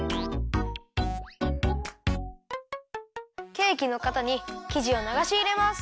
ケーキのかたにきじをながしいれます。